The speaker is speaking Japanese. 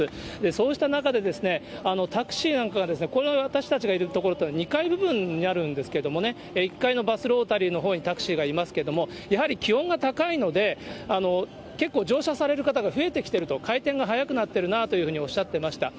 そうした中で、タクシーなんかが、この私たちのいる所っていうのは、２階部分になるんですけれども、１階のバスロータリーのほうにタクシーがいますけれども、やはり気温が高いので、結構、乗車される方が増えてきてると、回転が早くなっているなというふうにおっしゃっていました。